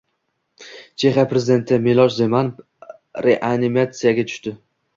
Chexiya prezidenti Milosh Zeman reanimatsiyaga tushdi